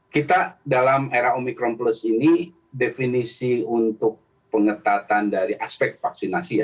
kita dalam era omikron plus ini definisi untuk pengetatan dari aspek vaksinasi ya